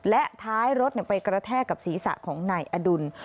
และท้ายรถไปกระแทกกับศีรษะของนายอดุล